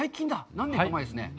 何年か前ですね。